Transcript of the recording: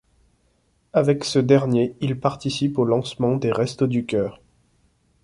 Avec ce dernier, il participe au lancement des Restos du Cœur.